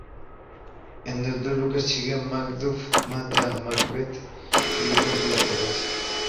En el duelo que sigue, Macduff mata a Macbeth y le corta la cabeza.